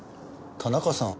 田中さん？